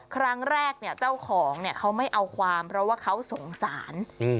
ครั้งแรกเนี่ยเจ้าของเขาไม่เอาความเพราะว่าเขาสงสาร